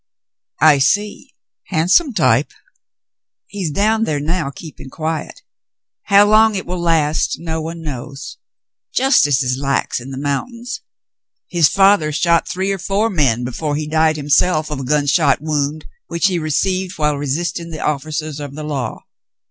*'I see. Handsome type." "He's down here now, keeping quiet. How long it will last, no one knows. Justice is lax in the mountains. His father shot three or four men before he died himself of a gunshot wound which he received while resisting the ofiicers of the law.